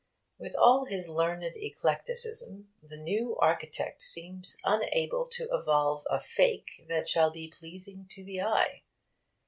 With all his learned eclecticism, the new architect seems unable to evolve a fake that shall be pleasing to the eye.